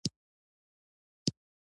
په یو کتاب څوک نه ملا کیږي.